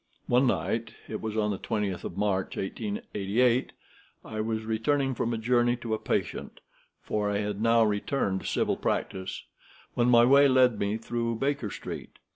One night—it was on the 20th of March, 1888—I was returning from a journey to a patient (for I had now returned to civil practice), when my way led me through Baker Street.